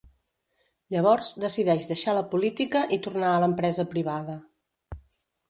Llavors decideix deixar la política i tornar a l'empresa privada.